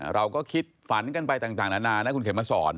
เราก็คิดฝันกันไปต่างนานานะคุณเข็มมาสอน